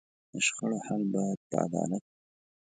د شخړو حل باید په عدالت وي.